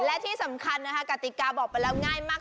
และที่สำคัญนะคะกติกาบอกไปแล้วง่ายมาก